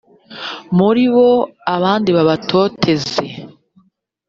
muri bo abandi babatoteze